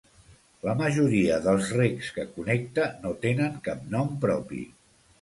La majoria dels recs que connecta no tenen cap nom propi.